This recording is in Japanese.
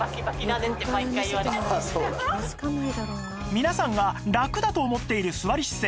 皆さんがラクだと思っている座り姿勢